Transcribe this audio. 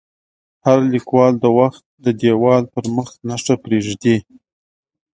هر لیکوال د وخت د دیوال پر مخ نښه پرېږدي.